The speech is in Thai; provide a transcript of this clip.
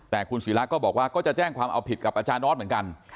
แต่คุณศิราก็บอกว่าก็จะแจ้งความเอาผิดกับอาจารย์ออสเหมือนกัน